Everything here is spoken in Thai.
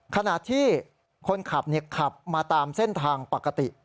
ขณะที่คนขับขับมาตามเส้นทางปกติ